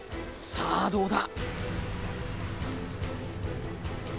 さあどうだ？